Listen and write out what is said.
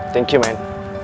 thank you man